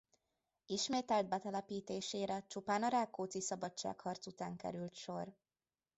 Ismételt betelepítésére csupán a Rákóczi-szabadságharc után került sor.